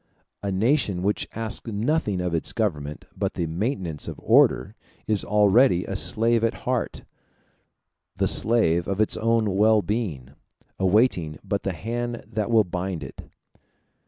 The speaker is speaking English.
A nation which asks nothing of its government but the maintenance of order is already a slave at heart the slave of its own well being, awaiting but the hand that will bind it.